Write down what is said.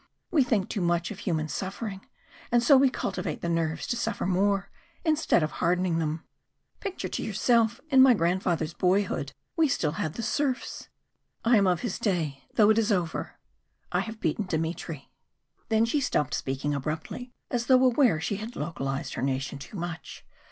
We think too much of human suffering, and so we cultivate the nerves to suffer more, instead of hardening them. Picture to yourself, in my grandfather's boyhood we had still the serfs! I am of his day, though it is over I have beaten Dmitry " Then she stopped speaking abruptly, as though aware she had localised her nation too much.